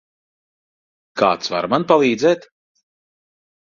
Kāds var man palīdzēt?